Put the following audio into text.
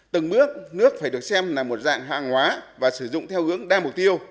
từng bước nước phải được xem là một dạng hàng hóa và sử dụng theo hướng đa mục tiêu